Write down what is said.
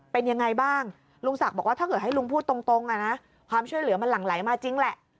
เป็นยังไงบ้างลุงศักดิ์บอกว่าถ้าเกิดให้ลุงพูดตรงความช่วยเหลือมันหลั่งไหลมาจริงแหละ